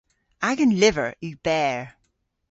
Agan lyver yw berr.